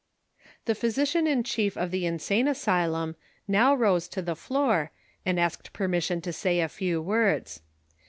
The physieian in chief of the insane asylum now*rose to the floor, and asked permission to say a few words.